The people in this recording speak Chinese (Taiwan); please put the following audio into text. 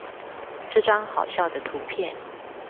這張好笑的圖片